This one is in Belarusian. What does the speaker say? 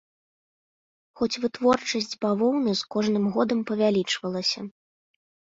Хоць вытворчасць бавоўны з кожным годам павялічвалася.